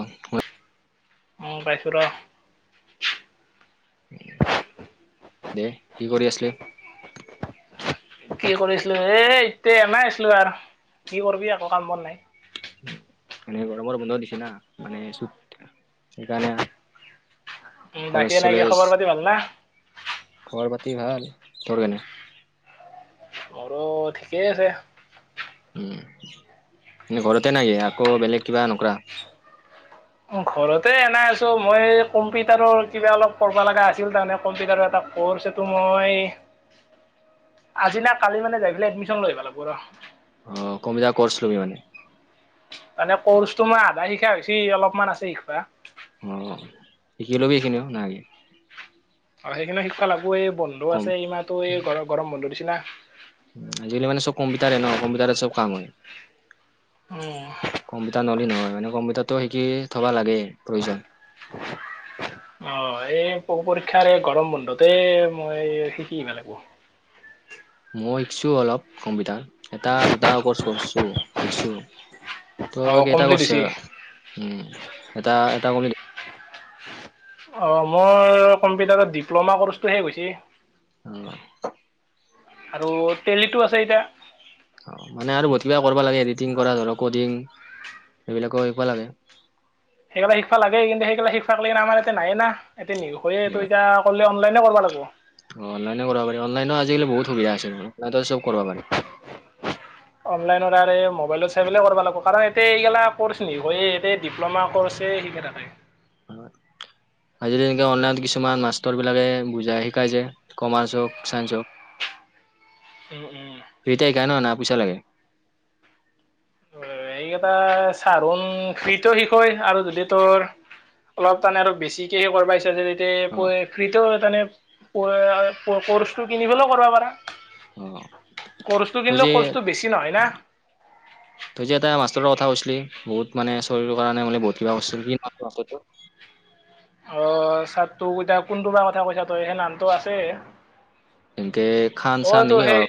অ', হয়- উ পাইছো ৰ দে, কি কৰি আছিলে? কি কৰিছিলো এ এতিয়া এমাই আছিলো আৰু কি কৰিবি আকৌ কাম বোৰ নাই মানে গৰমৰ বন্ধ দিছেি না মানে, চুত সেইকাৰণে উম বাকী কলেজ, এনে কি চলেজ, খবৰ পাতি ভাল না খবৰ পাতি ভাল ধৰ কেনে আৰু, ঠিকেই আছে। উম, এনে ঘৰতে নাই, আকৌ, বেলেগ কিবা নকৰা। ঘৰতে এনাই আছো, মই কম্পিউটাৰৰ কিবা অলপ কৰবা লগা আছিল, তাৰমানে, কম্পিউটাৰৰ এটা কৰ্চটো, মই আজি না কালি, মানে, যাই পেলাই এডমিচন লৈ আহিব লাগিব ৰ। অ, [unintelligible] কৰ্ছ লবি, মানে। মানে, ক'ৰ্চটো, মই আধা শিকা হৈছি, অলপমান আছে শিকোৱা। অ', শিকি ল'বি, এইখিনিও নহ'লে। [unintelligible] সেইখিনি শিকাবা লাগবো। এই বন্ধু কম আছে, এমাহটো, এই গৰম বন্ধু দিছি না। আজিকালি, মানে, চব কম্পিউটাৰাৰে ন, কম্পিউটাৰাৰে চব কাম হয়। উম কম্পিউটাৰ নলি নহয়, মানে, কম্পিউটাৰটো শিকি থ'বা লাগেই, প্ৰয়োজন। অ', এই পৰীক্ষাৰ এই গৰম বন্ধতে, মই শিকিব আহিব লাগিব। মই শিকিছো, অলপ কম্পিউটাৰ, এটা দুটা কৰ্চ কৰিছো, শিকিছো। অ' তই কেইটা কমপ্লিট হৈছে কৰছা? উম, এটা এটা [unintelligible] অ, মোৰ কম্পিউটাৰত ডিপ্ল'মা কৰ্চটো শেষ হৈছে। অ', আৰু, তেলিতো আছে এতিয়া। মানে, আৰু বহুত কিবা কৰিব লাগে, এডিটিং কৰা ধৰক, কডিং, এইবিলাকো শিকিবা লাগে। সেইগিলা শিকবা লাগেই, কিন্তু, সেইগিলা শিকবা লেগি, আমাৰ এয়াতে নাই না, এতিয়া [unintelligible] [unintelligible] অনলাইনে কৰিব লাগিব। অ', অনলাইনে কৰিব পাৰি। অনলাইনো, আজিকালি, বহুত সুবিধা আছে, চব কৰিব পাৰি। অনলাইনত, মবাইলত চাই পেলাই কৰিবা লাগিব, কাৰণ, এগিলা কৰ্চ। [unintelligible] ডিপ্ল'মা কৰ্চেই, শিকে থাকে। অ', আজিল তেনেকে অনলাইনত কিছুমান মাষ্টৰবলাকে বুজাই শিকাই য কমাৰ্চ হওক, চাইন্ঞ্চ হওক উম, উম। [unintelligible] না, পইচা লাগে? এইকেইটা, [unintelligible] শিকয়, আৰু যদি তোৰ অলপ তানে, আৰু বেছিকে কৰিবা ইচ্ছা, [unintelligible] অ ফ্ৰীতে, [unintelligible] ক'ৰ্চটো কিনি পেলৈও কৰিব পাৰা। অ কৰ্চটো তই কিনলেও, যে কৰ্চটো বেছি নহয়, না। তই যে এটা মাষ্টৰ কথা কৈছিলি, বহুত [unintelligible] কাৰণে, মানে, বহুত কিবা কৰিছিল। [unintelligible] অ', ছাৰ তোক এতিয়া কোনটো বা কথা কৈছা, তই সেই নামটো আছে। এনকে, অ' খান-চান তো সেই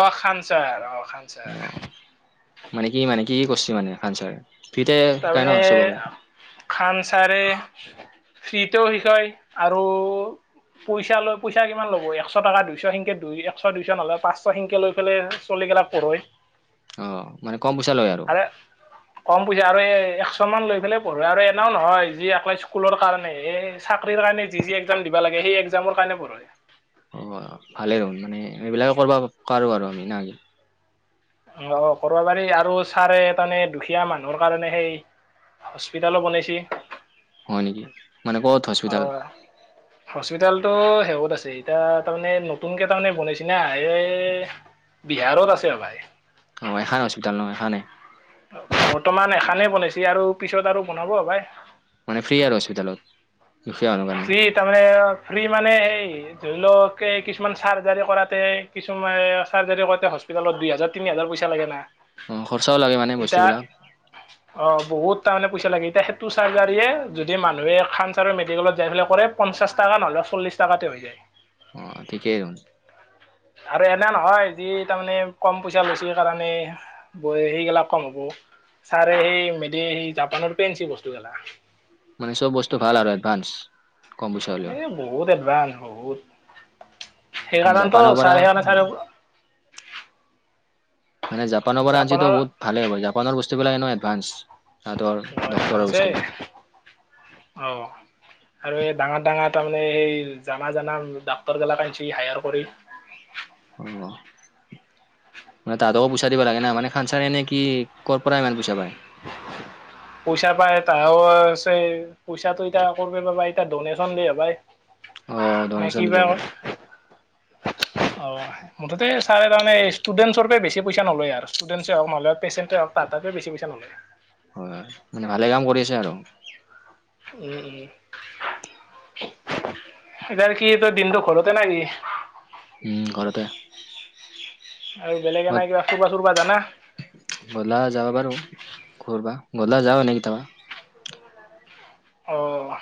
অ, ' খানচাৰ, অ', খানচাৰ। মানে কি, মানে কি কৰিছে, মানে খানচাৰে? তাৰমানে, খান চাৰে ফ্ৰীতেও শিকায়, আৰু পইচা লৈ, পইচা কিমান ল'ব? একশ টকা, দুইশ সেনকে, দুই একশ, দুইশ নলয়, পাঁচশ সেনকে লৈ পেলেই চলি গেলা পৰ অ, মানে, কম পইচা লয় আৰু। [inaudible] কম পইচা, আৰু এ, একশ মান লৈ পেলাই পঢ়ে, আৰু এনেও নহয়, যি একেলাই স্কুলৰ কাৰণে চাকৰি কাৰণে, যি এক্সাম দিবা লাগে, সেই এক্সামৰ কাৰণে পঢ়ৈ। অ', ভালে হ'ল মানে এইবিলাকে কৰিব পাৰোঁ আৰু আমি নাকি! অ', অ', কৰিব পাৰি আৰু ছাৰে তামানে দুখীয়া মানুহৰ কাৰণে সেই হস্পিতালো বনাইছে। হয় নেকি, মানে ক'ত হস্পিতাল? হস্পিতালতো [unintelligible] আছে এতিয়া, তাৰমানে নতুনকৈ তাৰমানে বনাইছে না এই বিহাৰত আছে অ', ভাই। অ', এখান হস্পিতাল ন, এখানে! বৰ্তমান এখানে বনাইছে আৰু পিছত আৰু বনাব আৰু ভাই। মানে ফ্ৰী আৰু হস্পিতালত দুখীয়া মানুহৰ কাৰণে! ফ্ৰী তাৰমানে ফ্ৰী মানে সেই ধৰি লওঁক কিছুমান চাৰ্জাৰী কৰাতে কিছুমান চাৰ্জাৰী কৰাতে হস্পি তালত দুই হাজাৰ, তিনি হাজাৰ পইচা লাগে না! অ', খৰচাও লাগে মানে এতিয়া বস্তুবিলাক। অ', বহুত তাৰমানে পইচা লাগে এতিয়া, সেইটো চাৰ্জাৰীয়ে যদি মানুহে খান ছাৰৰ মেডিকেলত যাই পেলাই কৰে পঞ্চা টকা নহ'লে, চল্লিশ টকাতে হৈ যায়। অ', ঠিকেই [unintelligible] আৰু এনে নহয় যি তাৰমানে কম পইচা লৈছে কাৰণে ব সেইগিলাক কম হ'ব, ছাৰে সেই মেডি সে জাপানৰ [unintelligible] বস্তুগিলা। মানে চব বস্তু ভাল আৰু এডভানচ কম পইচা হ'লেও! এই বহুত এডভানচ বহুত, মানে সেইকাৰণেতো জাপানৰ পৰা ছাৰে সেইকাৰণে ছাৰে মানে জাপানৰ পৰা আনচিতো বহুত ভালে হ'ব, জাপানৰ বস্তুবিলাক এডভান্স। তাহাতঁৰ ডক্তৰৰ এডভান্সে বস্তুবিলাক। অ'। আৰু এই ডাঙৰ, ডাঙৰ তাৰমানে সেই জানা, জানা ডাক্তৰগেলা আঞ্চি হায়াৰ কৰি। অ', মানে তাহাঁতকো পইচা দিব লাগে না মানে খান ছাৰে এনে কি ক'ৰ পৰা ইমান পইচা পায়? পইচা পায়, [unintelligible] আছে। পইচাটো এতিয়া ক'ৰ পা বা পায়, এতিয়া ডনেশ্যন দে [unintelligible] অ', ডনেশ্যন দিব পাৰে। অ'। মুঠতে ছাৰ তাৰমান ষ্টুডেণ্টচৰ পৰা বেছি পইচা নলয় আৰু ষ্টুডেণ্টচ হওঁক নহ'লে, পেচেণ্ট হওঁক তাৰ তাতে বেচি পইচা নলয়। হয়, হয়, মানে ভালে কাম কৰি আছে আৰু। উম, উম। এতিয়া কি তই দিনতটো ঘৰতে নেকি? উম, ঘৰতে। আৰু বেলেগে নাই কিবা ফুৰবা চুৰবা জানা! গধলা যাবা পাৰোঁ ক'ৰবা, গধলা যাওঁ এনে কিটাবা। অ'।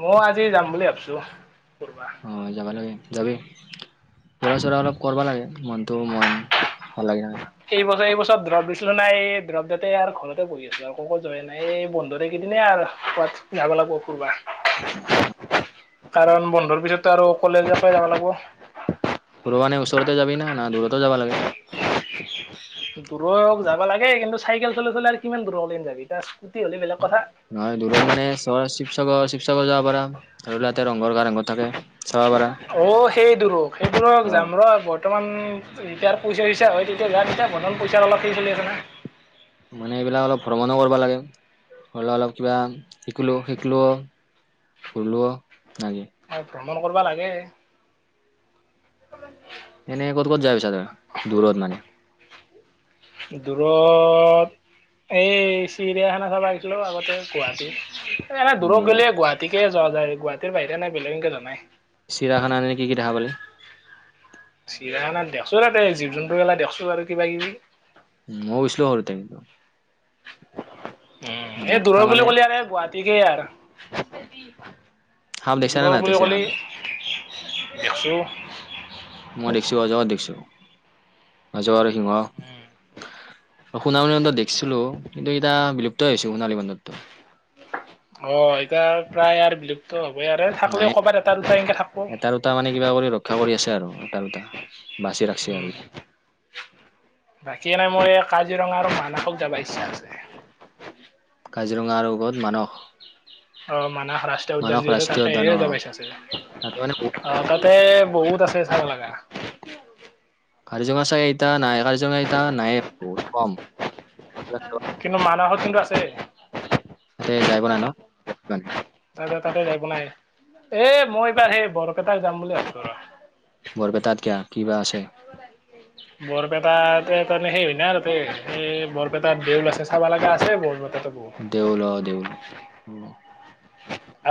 ময়ো আজি যাম বুলি ভাবছোঁ। অ', যাবা লাগে যাবি। ফুৰা চুৰা অলপ কৰিবা লাগে, মনতটো মন ভাললাগে। [unintelligible] এইবছৰ, এইবছৰ ড্ৰপ দিছিলোঁ না এই ড্ৰপ দিওঁতে আৰু ঘৰতে বহি আছোঁ আৰু ক-কত যোৱা নাই, এই বন্ধতে এইকেইদিনে আৰু। ক'ৰবাত যাব লাগিব ফুৰবা। কাৰণ বন্ধৰ পিছতো আৰু কলেজৰ পৰাই যাব লাগিব। ফুৰবানে ওচৰতে যাবি না দূৰতো যাব লাগে। দূৰত যাব লাগে কিন্তু চাইকেল চলাই, চলাই আৰু কিমান দূৰলে এতিয়া স্কুটি হ'লে বেলেগ কথা। নহয় দূৰত মানে [unintelligible] শিৱসাগৰ, শিৱসাগৰ যাব পাৰা ধৰি লোৱা তাতে ৰংঘৰ কাৰেং ঘৰ থাকে, চাব পাৰা। অ', সেই [unintelligible] সেই অ [unintelligible] যাম ৰ' বৰ্তমান যেতিয়া আৰু পইচা চইচা হয়, তেতিয়া যাম তেতিয়া [unintelligible] পইচাৰ অলপ সেই চলি আছে না। মানে এইবিলাক অলপ ভ্ৰমণো কৰিবা লাগে, ধৰি লোৱা অলপ কিবা। শিকিলো শিকিলো ঘৰিলো না কি। ভ্ৰমণ কৰিবা লাগে। এনেই ক'ত ক'ত যাই পাইছা তই দূৰত মানে। দূুৰৰত এই চিৰিয়াখানা চাব গৈছিলোঁ, আগতে গুৱাহাটী। এনে মোৰ দূৰত নিগাত গ'লে গুৱাহাটীকে যোৱা যায়। গুৱাহাটীৰ বাহিৰে নাই বেলেগ এনেকে যোৱা নাই। চিৰাখানা এনে কি কি দেখা পালি। চিৰাখানাত দেখছো তাতে জীৱ জন্তু গেলা দেখছো আৰু কিবা কিবি। উম, মই গৈছিলোঁ সৰুতে। উম, এই দেখা দূৰৰ বুলি মানে কলি আৰু গুৱাহাটীকেই আৰু। সাপ দেখিছা নে দূৰৰ নাই তই বুলি চিৰিয়াখানাত ক'লেই দেছো মই দেখছো অজগৰ দেখিছোঁ। অজগৰ আৰু সিংহ, সোণালী বান্দৰ অ' দেখিছিলোঁ। কিন্তু এতি বিলুপ্ত হৈছো সোণালী বান্দৰটোৰ। অ' এতিয়া প্ৰায় আৰু বিলুপ্ত হবই আৰু থাকলেও কৰবাত এটা দুটা এনকে থাকবো। টা মানে কিবা কৰি ৰক্ষা কৰি আছে আৰু এটা দুটা বাচি ৰাখছে আৰু উম। বাকী এনেই মোৰ এই কাজিৰঙা আৰু মানাসক যাব ইচ্ছা আছে। কাজিৰঙাৰ আৰু মানস। অ' মানাহ ৰাষ্ট্ৰীয় মানস উদ্যান যি আছে ৰাষ্ট্ৰীয় উদ্যান তাতেহে এ অ যাবা ইছা আছে। তাতে মানে বহুত অ' তাতে বহুত আছে চাব লগা। কাজিৰঙা চাই ইতা নাই কাৰজিৰঙাইটা নাই বহুত কম। কিন্তু, মানহত কিন্তু আছে। তাতে যাই পোৱা নাই ন। তাৰপিছত তাতে যায় পোৱা নাই এ মই এইবাৰ সেই বৰপেটাৰ যাম বুলি ভাবছো ৰহ। বৰপেটাত কিয়া, কিবা আছে। [unintelligible] বৰপেটাত তাৰমানে সেই হয় ন আৰু তাতে এই বৰপেটাত দেউল আছে চাব লগা আছে বৰপেটা বহুত। দেউল অ' দেউল অ'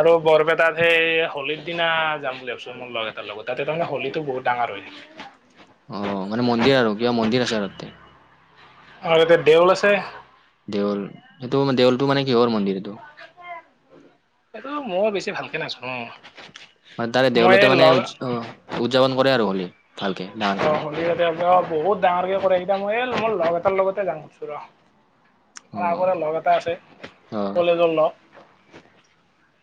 আৰু বৰপেটাত সেই হোলীৰ দিনা যাম বুলি ভাবিছোঁ। মোৰ লগ এটাৰ লগত, তাতে তাৰে হোলীতো বহুত ডাঙৰ হয়। অ' মানে মন্দিৰ আৰু কিবা মন্দিৰ আছে আৰু তাতে। আৰু এততে দেউল আছে। দেউল এইটো দেউলটো মানে কিহৰ মন্দিৰ এইটো। এইটো মই বেছি ভালকে নাজানো ন। মানে তাৰে দেউলতে মানে উ উদযাপন কৰে আৰু হোলী। অ' হোলীতে অ' বহুত ডাঙৰকে কৰে এইটা মই এ মোৰ লগ এটাৰ লগতে যাম খুজছো ৰহ। অ মোৰ আগৰে লগ এটা আছে অ কলেজৰ লগ।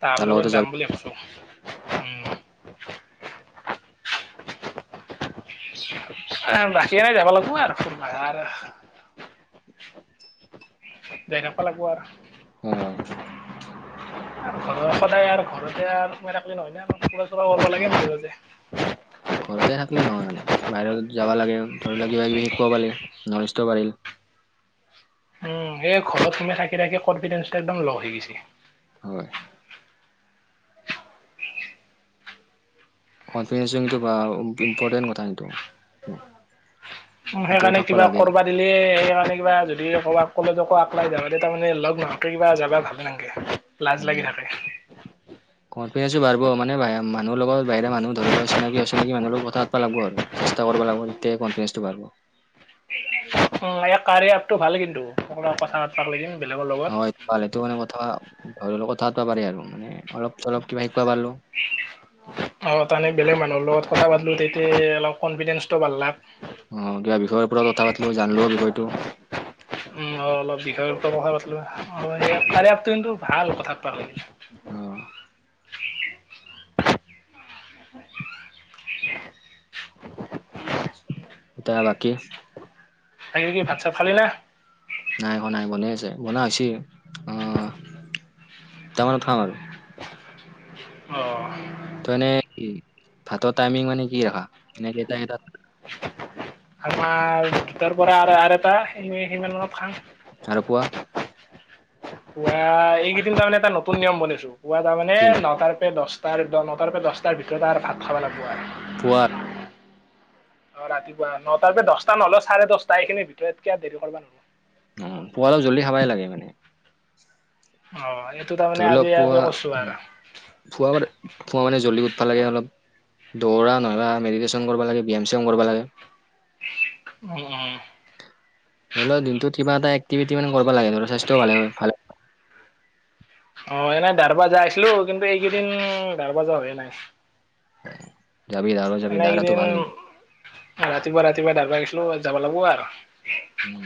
তাৰ লগতে লগত যাম যাবি বুলি ভাবিছোঁ মই। বাকী এই যাব লাগিব আৰু [unintelligible] যায় থাকবা লাগিব আৰু অ আৰু ঘৰৰ সদায় আৰু ঘৰতে আৰু সোমাই থাকিলে নহয় অ ন। [unintelligible] ঘৰতে থাকিলি নহয় মানে বাহিৰত যাবা লাগে ধৰি লোৱা কিবা কিবি শিকব পালে নলেজটো বাঢ়িল। উম, এই ঘৰত তোমি থাকি থাকি কনফিডেন্ঞ্চটো একদম ল হৈ গৈছে। হয়। কনফিডেঞ্চটো বা ইম্পৰ্টেণ্ট কথা কিন্তু। উম, সেইকাৰণে থাকিব কিবা লাগে ক'ৰবাত। দিলে সেইকাৰণে কিবা যদি ক'ৰবাক ক'লো আকলাই যা তেতি তাৰানে লগ নহোতে কিবা যাবা ভালে নালাগে। লাজ উম লাগি থাকে কনফিডেঞ্চো বাঢিব মানে মানুহ লগত বাহৰা মানুহ ধৰি লও চিনাকি অচিনি মানহ লগ কথাাতব লাগব আৰু চেষ্টা কৰিব লাগিব তেতিয়া কনফিডেন্সটোঢ়িব উ ইয় কাৰ আগটো ভাল কিন্তু ক কথাাত পাক দিম বেলেগৰ লগত পালেতো মানে কথা ধৰি লক কথা পাতব পাৰাৰে আৰু মানে অলপ চলপ কিবা শিকা পাৰিলো উ অ তানে বেলেগ মানুহৰ লগত কথা পাতিলো তেতিয়া অলপ কনফিডেন্ঞ্চটো ভাল ল অ কিবা বিষয়ৰ ওপৰত কথা পাতিলো জানলোওষয়টো উ অলপ বিষয়ৰ কথা পলো কিন্তু ভাল কথা পাল অ দয়া লকি তাইে কি ভটছআপ খালো নাই এক নাই বনাই আছে বন হৈছে আহ তামানত থাম আৰু অ ত এনে ভাতৰ টাইমিং মানে কি ৰখা এ কেইট এ আমাৰ দুটাৰ পৰা আৰু এটা সিমান মত খাাম চাৰ পোৱা পুৱা এইকেইদিন তাৰমানে এটা নতুন নিয়ম বনিছো পুৱা তাৰমানে কি নে নটাৰ পে দহটা তাৰ নটাৰ পৰা দহটাৰ ভিতৰত আৰু ভাত খাব লাগিব আৰু [inaudible] [inaudible] [inaudible] [inaudible] [inaudible] হয় অ ৰাতিপুৱা নটাৰ পৰা দহটা নহলে চাৰে দহটা এইখিনিৰ ভিতৰতকিয় দেৰি কৰিব নহয় অ পুৱাল অপ জল্দি খাবাই লাগে মানে অ এইটো তাৰমানে আজি ইয়প কৈছো আৰু খুৱ খোৱা মানে জ্বলি উঠব লাগে অলপ দৌৰা নহবা মেডিটেশ্যন কৰিব লাগে বিি এম চি এম কৰিব লাগে উম উম ধৰি লও দিনটোত কিবা এটা এক্টিভিটি মানে কৰিব লাগে ধ স্বাস্থ্যও ভাল ভাল অ এনেই দাৰ বজা আছিলো কিন্তু এইকেইদিন দাৰ বজা হয়য়ে নাই যাবি দাউৰা যাবি দাউৰাটো মনেকেইদিন ভাল কিন্তু ৰাতিপুৱা ৰাতিপুৱা ধাৰবা আহিছিলো যাব লাগিব আৰু উম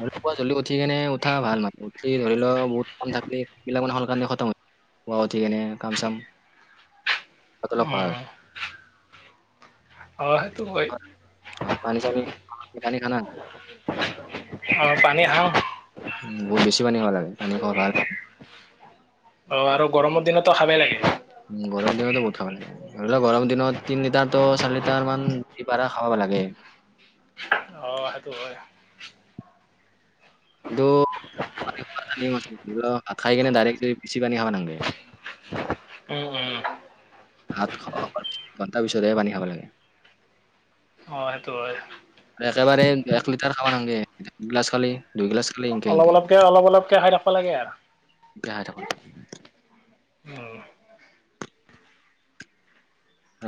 ধৰি ল পোৱা জ্ি উঠ কেনে উঠা ভাল মানে উঠি ধৰি লও বহুত কম থাকিলেেইবিলাক মানেে খম ঠিক এনে কাম চাম কতল খ হয় উম অ সেইটো হয় হয় পানী চানী পানী খানা আ পানী আহ উ বহুত বেছি পানী খা লাগে পানী খোৱা ভাল অ আৰু গৰমৰ দিনতো খাবেই লাগে উ গৰম দিনত বহত খাব লাগে ধৰি লওোৱা গৰম দিনত তিন লিটাৰ তো চাৰি লিটাৰ মান দি পাৰা খাব লাগে অঁ সেইটো হয় কিন্তু খাই কিনে ডাইৰেক্ট পিচি পানী খাব নাগে উম উম হাত খোৱাৰ পিছ ঘণ্টাাৰ পিছতহে পানী খাব লাগে অ সেইটো হয় একেবাৰে এক লিটাৰ খাব নাগে একগিলাচ খালি দুই গিলাচ খালি ইনকে অলপ ইনকে অলপকে অলপ অলপকে খাই থাকিব লাগে আৰু বিহ থ ন উম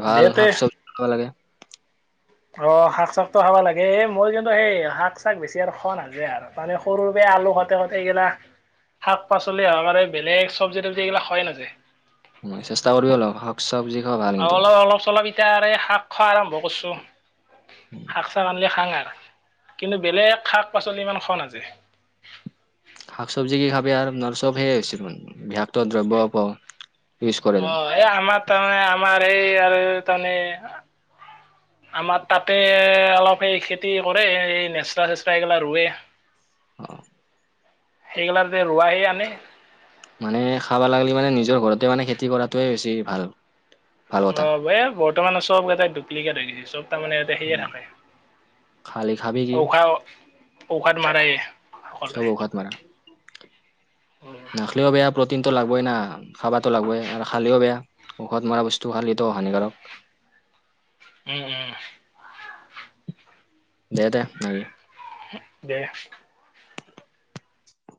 ভাল দে তে শাক চবজি খাব লাগে অ শাক চাকতো খাব লাগে এই মোৰ কিন্তু সেই শাক চাক বেছি আৰু খোৱা নাযায় আৰু মানে সৰু পেয়া আলু সতে ঘতেগিলা শাক পাচলি সহকাৰে বেলেগ চব্জি তবজি এইবিলাক খুৱাই নাযায়। মই চেষ্টা কৰিব অল হক। চবজি খোৱা আৰু কিন্তু অলপ অলপ চলপ এতিয়া শাক খোৱা আৰম্ভ কৰিছো। শাক চাক আনিলে খাঙাৰ কিন্তু বেলেগ শাক পাচলি ইমান খোৱা নাযায়। শাক চবজি কি খাবি আৰু চব সেই হৈছে দেখোন বিষাক্ত দ্ৰব্য পাওঁ। অ', এই আমাৰ তাৰমানে আমাৰ এই আৰু তাৰমানে আমাৰ তাতে অলপ সেই খেতি কৰে এই নেচৰাা চেচা এইগিলা ৰুৱে হয়। সেইগিলা ৰোৱাহে আনে। মানে খাব লাগিলে মানে নিজৰ ঘৰতে মানে খেতি কৰাটোৱে বেছি ভাল। ভাল কথা অ', ব বৰ্তমান চব এটা ডুপ্লিকেট হৈিছে চব তাৰমানে উম, থাক খালি খাবি কি অ ঔষধ মাৰে। চব ঔখাত মাৰা উম, নখলে বেয়া। প্ৰ'টিনটো লাগবই না খাবাটো লাগবই আৰু খালেও বেয়া ঔষধ মৰা বস্তু খালে টো হানিকাৰক। উম, উম। দে, দে, নে দে।